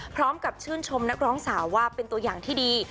พร้อมกับชื่นชมนักร้องสาวว่าเป็นตัวอย่างที่ดี